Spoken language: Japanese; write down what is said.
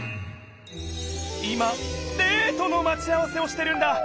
今デートのまち合わせをしてるんだ。